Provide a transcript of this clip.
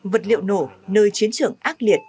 vật liệu nổ nơi chiến trường ác liệt